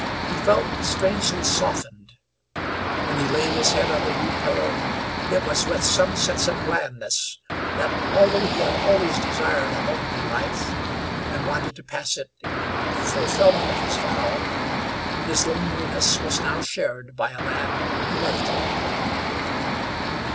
He felt strangely softened. When he laid his head on the rude pillow it was with some sense of gladness that, although he had always desired a lonely life, and wanted to pass it in the fulfillment of his vow, his loneliness was now shared by a lad who loved him.